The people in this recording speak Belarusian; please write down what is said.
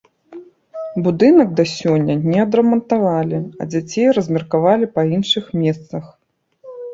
Будынак да сёння не адрамантавалі, а дзяцей размеркавалі па іншых месцах.